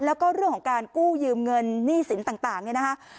แล้วก็เรื่องของการกู้ยืมเงินหนี้สินต่างเนี่ยนะคะ